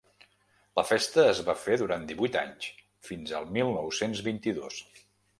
La festa es va fer durant divuit anys, fins al mil nou-cents vint-i-dos.